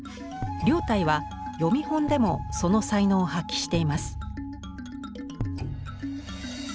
凌岱は読み本でもその才能を発揮しています。